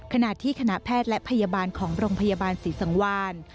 ขณะที่คณะแพทย์และพยาบาลของโรงพยาบาลศรีสังวาน